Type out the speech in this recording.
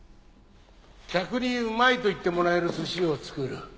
客にうまいと言ってもらえる寿司を作る。